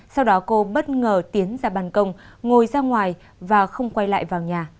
sau đó cô bất ngờ tiến ra bàn công ngồi ra ngoài và không quay lại vào nhà